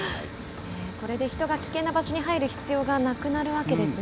これで人が危険な場所に入る必要がなくなるわけですね。